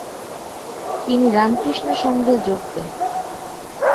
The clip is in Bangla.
তিনি রামকৃষ্ণ সংঘে যোগ দেন।